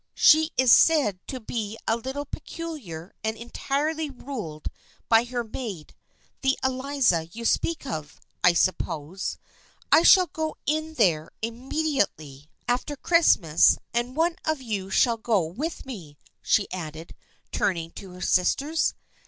She is said to be a little peculiar and entirely ruled by her maid, the Eliza you speak of, I suppose. I shall go in there immediately 180 THE FKIENDSHIP OF ANNE after Christmas, and one of you shall go with me," she added, turning to her sisters.